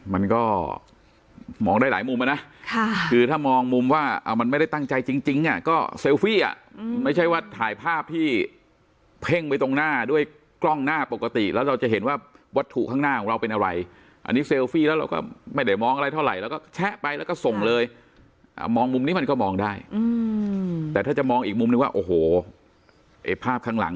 มันก็มองได้หลายมุมนะคือถ้ามองมุมว่ามันไม่ได้ตั้งใจจริงอ่ะก็เซลฟี่อ่ะไม่ใช่ว่าถ่ายภาพที่เพ่งไปตรงหน้าด้วยกล้องหน้าปกติแล้วเราจะเห็นว่าวัตถุข้างหน้าของเราเป็นอะไรอันนี้เซลฟี่แล้วเราก็ไม่ได้มองอะไรเท่าไหร่เราก็แชะไปแล้วก็ส่งเลยมองมุมนี้มันก็มองได้แต่ถ้าจะมองอีกมุมนึงว่าโอ้โหไอ้ภาพข้างหลัง